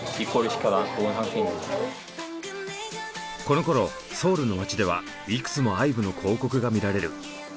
このころソウルの街ではいくつもＩＶＥの広告が見られる。